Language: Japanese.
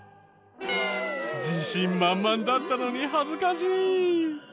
自信満々だったのに恥ずかしい！